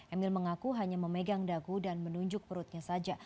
emil mengaku hanya memegang dagu dan menunjuk perutnya saja